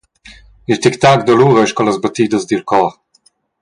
Il tictac dall’ura ei sco las battidas dil cor.